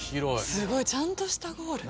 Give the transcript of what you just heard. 「すごい！ちゃんとしたゴール」